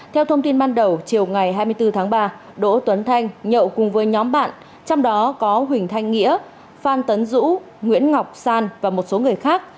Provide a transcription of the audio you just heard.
theo thông tin ban đầu chiều ngày hai mươi bốn tháng ba đỗ tuấn thanh nhậu cùng với nhóm bạn trong đó có huỳnh thanh nghĩa phan tấn dũ nguyễn ngọc san và một số người khác